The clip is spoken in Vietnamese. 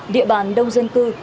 địa bàn đông dân cư